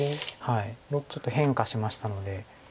ちょっと変化しましたので。